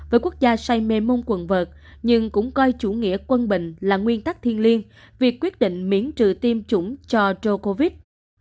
với quốc gia say mê mông quần vợt nhưng cũng coi chủ nghĩa quân bệnh là nguyên tắc thiên liêng việc quyết định miễn trừ tiêm chủng cho djokovic